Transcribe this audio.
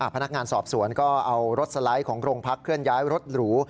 พนักงานสอบสวนก็เอารถสไลด์ของโรงพักเคลื่อนย้ายรถหรู